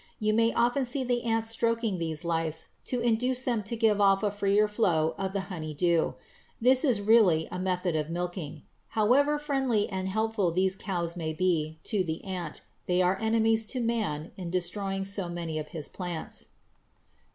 You may often see the ants stroking these lice to induce them to give off a freer flow of the "honey dew." This is really a method of milking. However friendly and useful these "cows" may be to the ant, they are enemies to man in destroying so many of his plants.